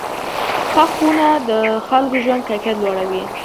ښه ښوونه د خلکو ژوند کیفیت لوړوي.